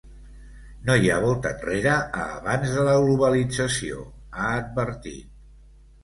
No hi ha volta enrere a abans de la globalització, ha advertit.